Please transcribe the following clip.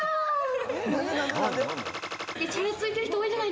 チャラついてる人、多いじゃ